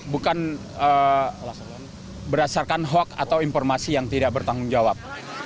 bukan berdasarkan hoax atau informasi yang tidak bertanggung jawab